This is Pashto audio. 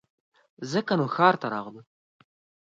ځکه نو ښار ته راغلو